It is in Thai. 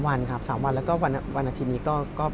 ๓วันครับ๓วันแล้วก็วันอาาราชินีก็เผ้าเลยครับ